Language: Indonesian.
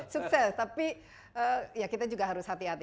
sukses tapi ya kita juga harus hati hati